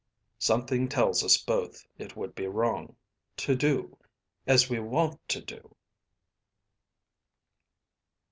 "Something tells us both it would be wrong to do as we want to do."